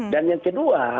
dan yang kedua